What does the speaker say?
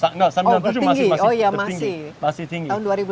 tidak tahun sembilan puluh tujuh masih tinggi